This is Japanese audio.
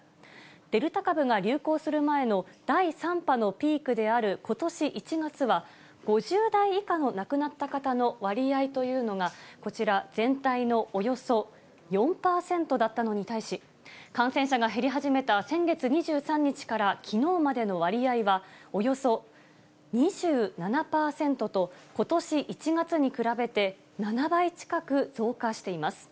デルタ株が流行する前の第３波のピークであることし１月は、５０代以下の亡くなった方の割合というのが、こちら、全体のおよそ４％だったのに対し、感染者が減り始めた先月２３日からきのうまでの割合は、およそ２７％と、ことし１月に比べて７倍近く増加しています。